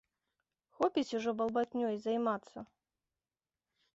Хопіць ужо балбатнёй займацца.